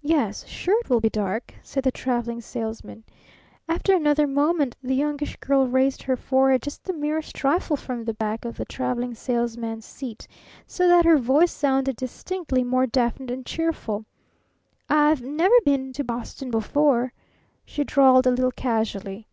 "Yes, sure it will be dark," said the Traveling Salesman. After another moment the Youngish Girl raised her forehead just the merest trifle from the back of the Traveling Salesman's seat, so that her voice sounded distinctly more definite and cheerful. "I've never been to Boston before," she drawled a little casually.